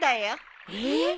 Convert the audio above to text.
えっ！？